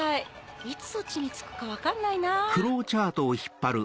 いつそっちに着くか分かんないなぁ。